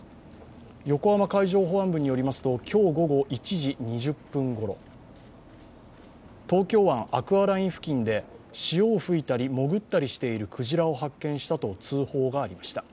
横浜海上保安部によりますと、今日午後１時２０分ごろ東京湾アクアライン付近で潮を吹いたり潜ったりしている鯨を発見したと通報がありました。